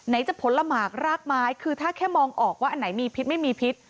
จะผลหมากรากไม้คือถ้าแค่มองออกว่าอันไหนมีพิษไม่มีพิษ